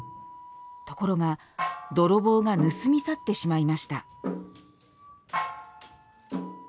ところが、泥棒が盗み去ってしまいました。